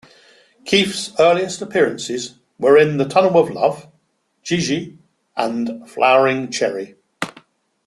Keith's earliest appearances were in "The Tunnel of Love", "Gigi", and "Flowering Cherry".